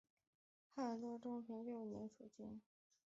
东汉中平六年诸郡。